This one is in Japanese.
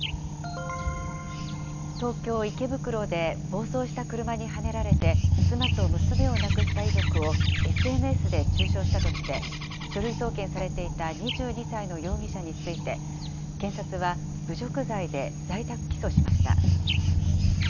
東京・池袋で暴走した車にはねられて、妻と娘を亡くした遺族をＳＮＳで中傷したとして、書類送検されていた２２歳の容疑者について、検察は侮辱罪で在宅起訴しました。